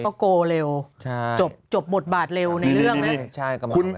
ก็โกเร็วจบบทบาทเร็วในเรื่องนะ